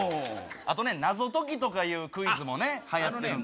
あとね、謎解きとかいうクイズもはやってるんですよ。